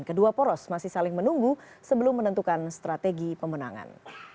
kedua poros masih saling menunggu sebelum menentukan strategi pemenangan